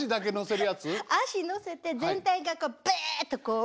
足乗せて全体がこうブっとこう。